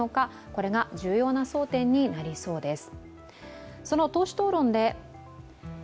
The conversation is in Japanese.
これが重要な争点になりそうです。